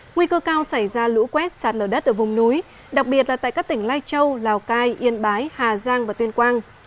nguy cơ cao xảy ra lũ quét sạt lở đất ở vùng núi đặc biệt là tại các tỉnh lai châu lào cai yên bái hà giang và tuyên quang